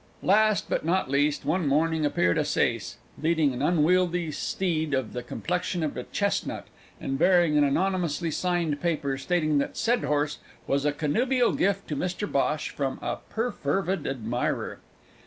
Last, but not least, one morning appeared a saice leading an unwieldy steed of the complexion of a chestnut, and bearing an anonymously signed paper, stating that said horse was a connubial gift to Mr Bhosh from a perfervid admirer.